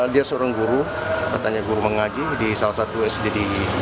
dia seorang guru katanya guru mengaji di salah satu sd di